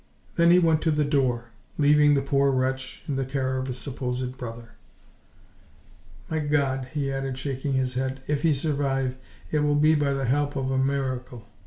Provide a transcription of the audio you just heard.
Then he went to the door, leaving the poor wretch to the care of his supposed brother. "My God!" he added, shaking his head, "if he survive, it will be by the help of a miracle."